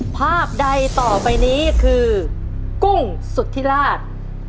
ภาพใดต่อไปนี้คือกุ้งสุธิราช